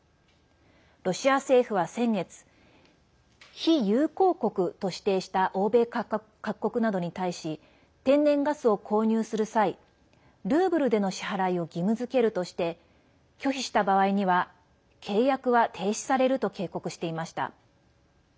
ロシア政府は先月非友好国と指定した欧米各国などに対し天然ガスを購入する際ルーブルでの支払いを義務づけるとして拒否した場合には契約は停止されると警告していました。